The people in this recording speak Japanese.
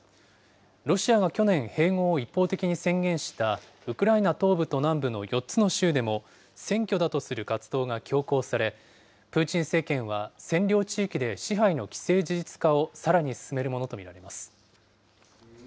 ロシアが去年、併合を一方的に宣言したウクライナ東部と南部の４つの州でも、選挙だとする活動が強行され、プーチン政権は占領地域で支配の既成事実化をさらに進めるものと見られます。